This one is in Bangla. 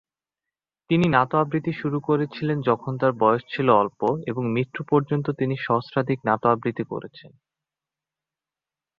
তিনি নাত আবৃত্তি শুরু করেছিলেন যখন তাঁর বয়স ছিল অল্প এবং মৃত্যুর পূর্ব পর্যন্ত তিনি সহস্রাধিক নাত আবৃত্তি করেছেন।